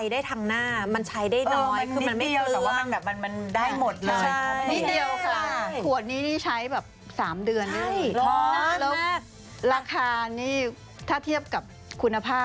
ใช่เขาใช้คำว่านะคะกดก่อนมันจะเป็นอย่างนี้เปิดขึ้นมา